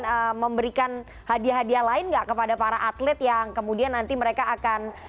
akan memberikan hadiah hadiah lain nggak kepada para atlet yang kemudian nanti mereka akan